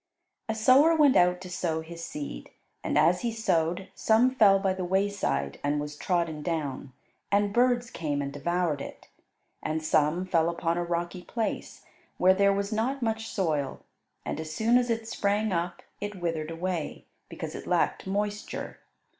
A sower went out to sow his seed, and as he sowed some fell by the wayside and was trodden down, and birds came and devoured it. And some fell upon a rocky place, where there was not much soil, and as soon as it sprang up it withered away, because it lacked moisture.